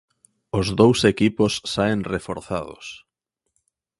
Os dous equipos saen reforzados.